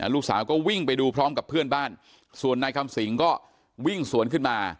ลูกสาวก็วิ่งไปดูพร้อมกับเพื่อนบ้านส่วนนายคำสิงก็วิ่งสวนขึ้นมา